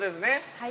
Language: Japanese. はい。